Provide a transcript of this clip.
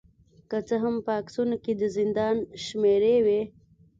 که څه هم په عکسونو کې د زندان شمیرې وې